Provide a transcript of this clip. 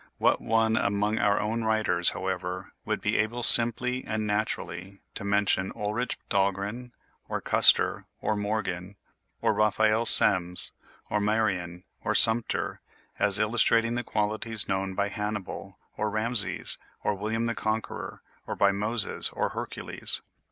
What one among our own writers, however, would be able simply and naturally to mention Ulrich Dahlgren, or Custer, or Morgan, or Raphael Semmes, or Marion, or Sumter, as illustrating the qualities shown by Hannibal, or Rameses, or William the Conqueror, or by Moses or Hercules?